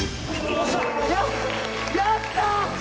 やった！